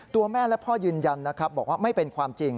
ตัวแม่และพ่อยืนยันนะครับบอกว่าไม่เป็นความจริง